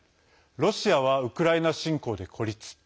ロシアはウクライナ侵攻で孤立。